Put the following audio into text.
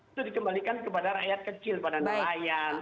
itu dikembalikan kepada rakyat kecil pada nelayan